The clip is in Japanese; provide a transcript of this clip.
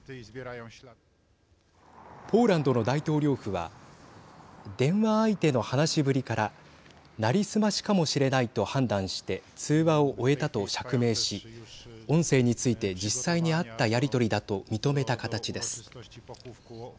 ポーランドの大統領府は電話相手の話しぶりから成り済ましかもしれないと判断して通話を終えたと釈明し音声について実際にあったやりとりだと認めた形です。